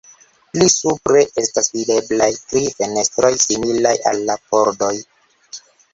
Pli supre estas videblaj tri fenestroj similaj al la pordoj.